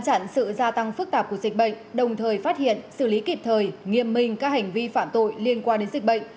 ngăn chặn sự gia tăng phức tạp của dịch bệnh đồng thời phát hiện xử lý kịp thời nghiêm minh các hành vi phạm tội liên quan đến dịch bệnh